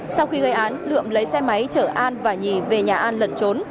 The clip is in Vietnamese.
sau khi gây án lượm lấy xe máy chở an và nhì về nhà an lẩn trốn